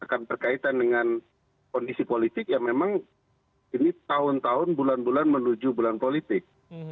akan berkaitan dengan kondisi politik yang memang ini tahun tahun bulan bulan menuju bulan politik